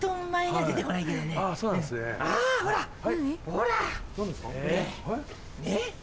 ほらねっ。